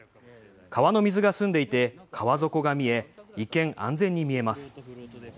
川の水が澄んでいて川底が見え一見、安全に見えます。